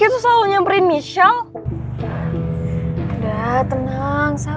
jika mau kesal kalau ingin bagi maka dimasak